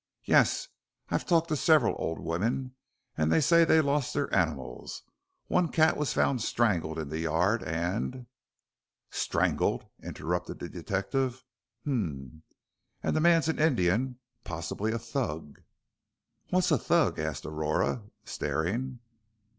Yes. I've talked to several old women, and they say they lost their animals. One cat was found strangled in the yard, and " "Strangled!" interrupted the detective. "Hum, and the man's an Indian, possibly a Thug." "What's a Thug?" asked Aurora, staring.